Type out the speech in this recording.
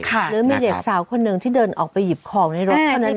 หรือมีเด็กสาวคนหนึ่งที่เดินออกไปหยิบของในรถเท่านั้นเอง